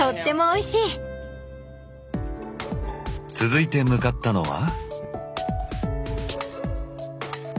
続いて向かったのは。